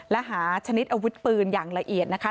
และหาชนิดอาวุธปืนอย่างละเอียดนะคะ